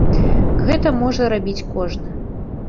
Гэта можа рабіць кожны.